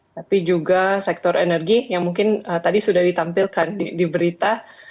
tapi juga sektor energi yang mungkin tadi sudah ditampilkan di berita